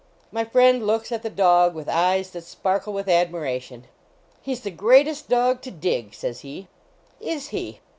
My friend looks at the dog with eyes that sparkle with admiration. " He s the greatest dog to dig," says he. " Is he?"